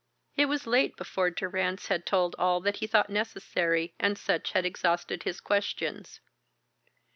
It was late before Durrance had told all that he thought necessary and Sutch had exhausted his questions.